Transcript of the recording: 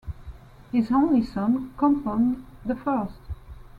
His only son, Compton the First.